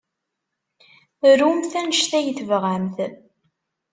Rumt anect ay tebɣamt.